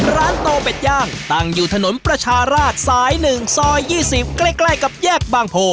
ร้านโตเป็ดย่างตั้งอยู่ถนนประชาราชสาย๑ซอย๒๐ใกล้กับแยกบางโพ